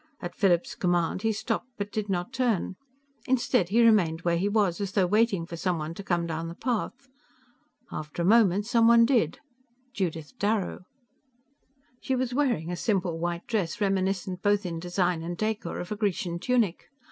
At Philip's command, he stopped but did not turn; instead he remained where he was, as though waiting for someone to come down the path. After a moment, someone did Judith Darrow. She was wearing a simple white dress, reminiscent both in design and décor of a Grecian tunic.